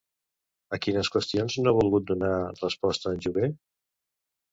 A quines qüestions no ha volgut donar resposta en Jové?